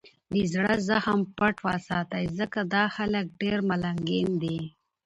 دزړه زخم پټ وساتئ! ځکه دا خلک دېر مالګین دي.